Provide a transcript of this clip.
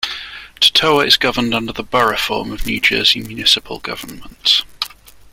Totowa is governed under the borough form of New Jersey municipal government.